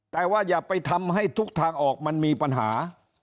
แต่ว่าอย่าไปทำให้ทุกทางออกมันมีปัญหา